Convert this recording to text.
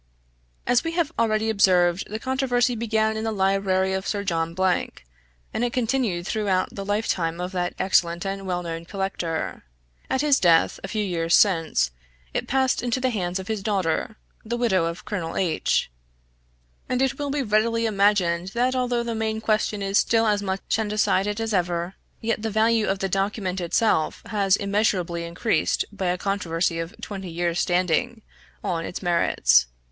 As we have already observed, the controversy began in the library of Sir John Blank, and it continued throughout the life time of that excellent and well known collector. At his death, a few years since, it passed into the hands of his daughter, the widow of Colonel H ; and it will be readily imagined that although the main question is still as much undecided as ever, yet the value of the document itself has been immeasurably increased by a controversy of twenty years standing, on its merits.